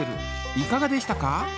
いかがでしたか？